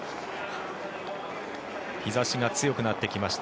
日差しが強くなってきました。